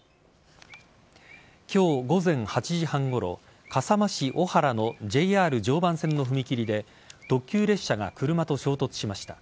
今日午前８時半ごろ笠間市小原のＪＲ常磐線の踏切で特急列車が車と衝突しました。